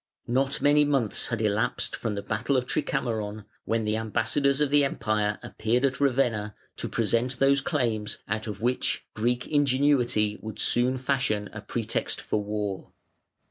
Not many months had elapsed from the battle of Tricamaron when the ambassadors of the Empire appeared at Ravenna to present those claims out of which Greek ingenuity would soon fashion a pretext for war.